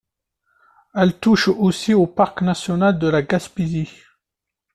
Elle touche aussi au parc national de la Gaspésie.